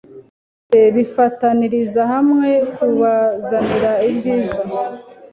byose bifataniriza hamwe kubazanira ibyiza,